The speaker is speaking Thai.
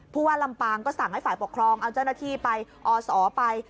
ผู้ว่าลำปางก็สั่งให้ฝ่ายปกครองเอาเจ้าหน้าที่ไปอศไป